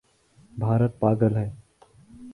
بھارت پاگل ہے